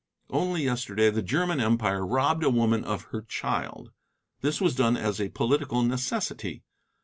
Only yesterday the German Empire robbed a woman of her child; this was done as a political necessity.